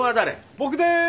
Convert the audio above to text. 僕です！